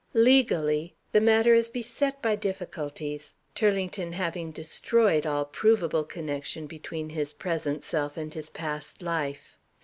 Legally, the matter is beset by difficulties, Turlington having destroyed all provable connection between his present self and his past life.